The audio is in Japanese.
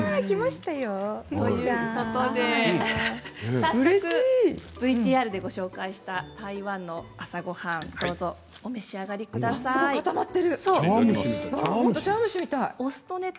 早速ＶＴＲでご紹介した台湾の朝ごはんどうぞお召し上がりください。